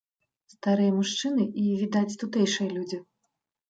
Старыя мужчыны і, відаць, тутэйшыя людзі.